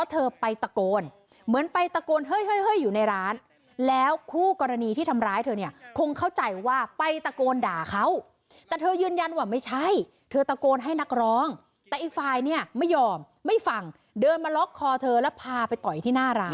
แต่เธอยืนยันแหว่ามักไม่ใช่เธอก็กลให้นักร้องแต่อีกฝ่ายเนี่ยไม่ยอมไม่ฟังเดินมาล็อกคอเธอแล้วพาไปต่อยที่หน้าราม